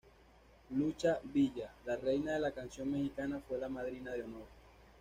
Lucha Villa, la Reina de la Canción Mexicana fue la madrina de honor.